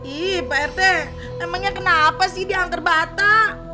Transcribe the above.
ih pak rete emangnya kenapa sih di angkerbata